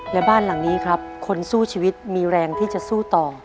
และบ้านหลังนี้ครับคนสู้ชีวิตมีแรงที่จะสู้ต่อ